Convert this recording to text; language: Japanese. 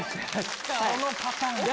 そのパターンか。